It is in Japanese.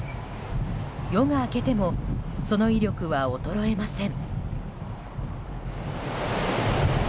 夜が明けてもその威力は衰えません。